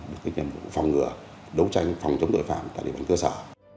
được cái nhiệm vụ phòng ngựa đấu tranh phòng chống tội phạm tại địa bàn cơ sở